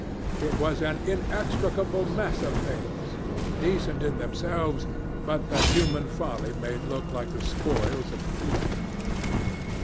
It was an inextricable mess of things decent in themselves but that human folly made look like the spoils of thieving.